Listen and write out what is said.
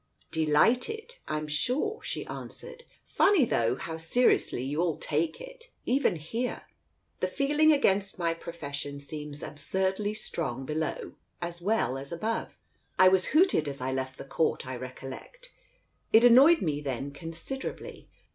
"Delighted, I'm sure," she answered. "Funny, though, how seriously you all take it, even here ! The feeling against my profession seems absurdly strong below as well as above. I was hooted as I left the court, I recollect. It annoyed me then considerably.